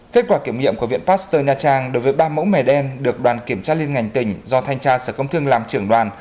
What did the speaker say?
kết quả kiểm nghiệm của viện pasteur nha trang đối với ba mẫu mè đen được đoàn kiểm tra liên ngành tỉnh do thanh tra sở công thương làm trưởng đoàn